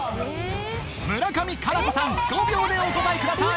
村上佳菜子さん５秒でお答えください